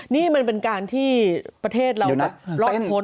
นี่มันเป็นการที่ประเทศเรารอดพ้น